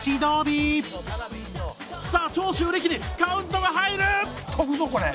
さあ長州力にカウントが入る！